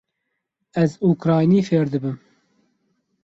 Ez ukraynî fêr dibim.